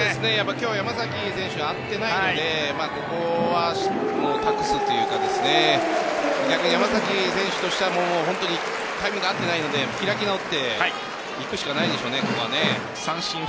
今日山崎選手が合っていないのでここは託すというか逆に山崎選手としては本当にタイミングが合ってないので開き直っていくしかないでしょうね、ここは。